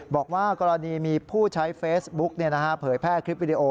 บอกว่ากรณีมีผู้ใช้เฟซบุ๊กเผยแพร่คลิปวิดีโอ